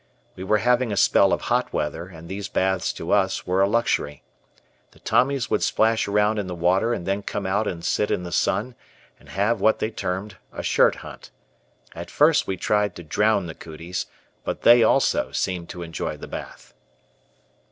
We were having a spell of hot weather, and these baths to us were a luxury. The Tommies would splash around in the water and then come out and sit in the sun and have what they termed a "shirt hunt." At first we tried to drown the "cooties," but they also seemed to enjoy the bath.